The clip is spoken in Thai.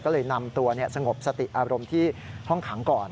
ก็เลยนำตัวสงบสติอารมณ์ที่ห้องขังก่อน